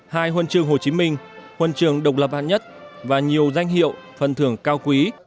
hai huân chương hồ chí minh huân trường độc lập hạng nhất và nhiều danh hiệu phần thưởng cao quý